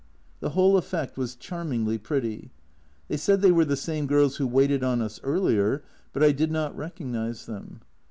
The whole effect was charmingly pretty. They said they were the same girls who waited on us earlier, but I did not recognise them.